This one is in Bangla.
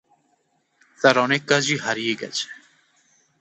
তার অনেক কাজই হারিয়ে গেছে।